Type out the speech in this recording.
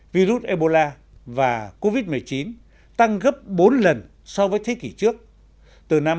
virus ebola và covid một mươi chín tăng gấp bốn lần so với thế kỷ trước từ năm một nghìn chín trăm tám mươi